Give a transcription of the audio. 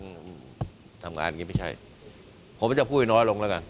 ผมทำงานอย่างงี้ไม่ใช่ผมจะพูดให้น้อยลงแล้วกัน